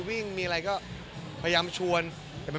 มีอีกประมาณ๑๐ปี